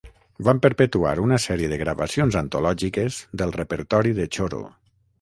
Van perpetuar una sèrie de gravacions antològiques del repertori de xoro.